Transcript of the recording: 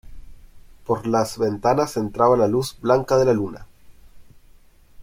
por las ventanas entraba la luz blanca de la luna.